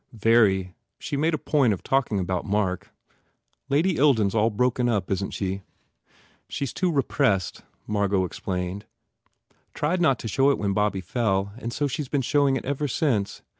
"Very. She made a point of talking about Mark. Lady Ilden s all broken up, isn t she?" "She s too repressed," Margot explained, "Tried not to show it when Bobby fell and so she s been showing it ever since.